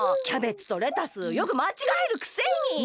キャベツとレタスよくまちがえるくせに！